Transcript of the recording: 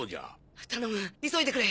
頼む急いでくれ。